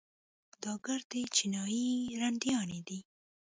دا ګردې چينايي رنډيانې دي.